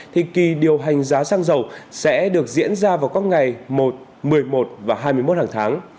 thì kỳ điều hành giá xăng dầu sẽ được diễn ra vào các ngày một mươi một và hai mươi một hàng tháng